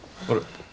あれ？